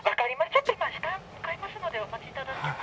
「ちょっと今下に向かいますのでお待ち頂けますか？」